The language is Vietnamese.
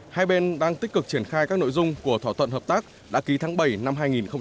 hai bên đang tích cực triển khai các nội dung của thỏa thuận hợp tác đã ký tháng bảy năm hai nghìn một mươi năm